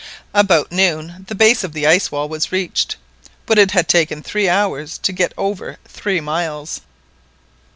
About noon the base of the ice wall was reached, but it had taken three hours to get over three miles.